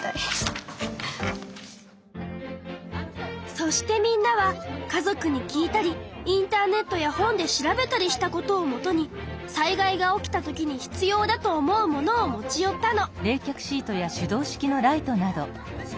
そしてみんなは家族に聞いたりインターネットや本で調べたりしたことをもとに災害が起きた時に必要だと思うものを持ち寄ったの。